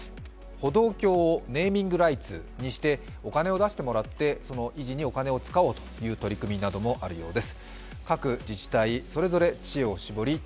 歩道橋をネーミングライツにして、お金を出してもらって、その維持にお金を使おうという取り組みなどもあるようです。